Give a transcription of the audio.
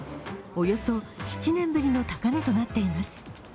およそ７年ぶりの高値となっています。